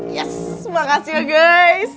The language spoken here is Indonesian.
yes makasih ya guys